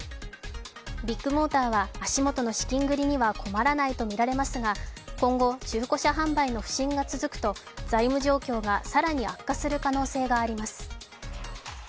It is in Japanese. ビッグモーターは足元の資金繰りには困らないとみられますが、今後、中古車販売の不振が続くと財務状況が更に悪化する可能性があります。